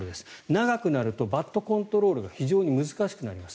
長くなるとバットコントロールが非常に難しくなります。